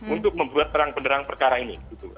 untuk membuat terang penderang perkara ini